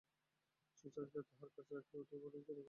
সুচরিতা তাহার কাজ রাখিয়া উঠিয়া পড়িল এবং কহিল, মাসি, এসো।